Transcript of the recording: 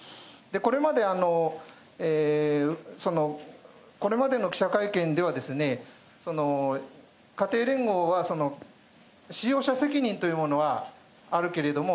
これまで、これまでの記者会見では、家庭連合は、使用者責任というものはあるけれども、